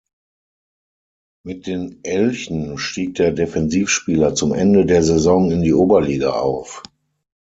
Mit den Elchen stieg der Defensivspieler zum Ende der Saison in die Oberliga auf.